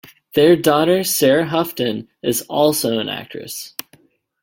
Their daughter Sara Houghton is also an actress.